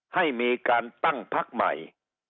ให้มีการตั้งพักใหม่